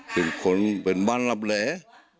เป็นคนเป็นบ้านรับแหล